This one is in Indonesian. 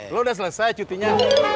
lo udah selesai cutinya